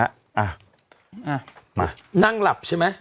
อ้าวมานั่งหลับใช่มั้ย